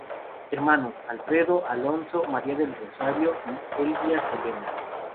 Hermanos, Alfredo, Alfonso, Maria del Rosario, y Elvia Zelena.